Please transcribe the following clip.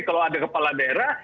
kalau ada kepala daerah